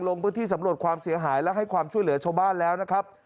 ลงพื้นที่สำรวจความเสียหายและให้ความช่วยเหลือชาวบ้านแล้วนะครับ